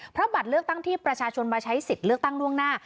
เพราะบัตรเลือกตั้งที่ประชาชนมาใช้สิทธิ์เลือกตั้งล่วงหน้า